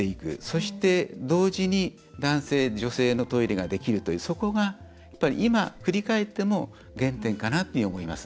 そして、同時に男性、女性のトイレができるというそこが今、振り返っても原点かなと思います。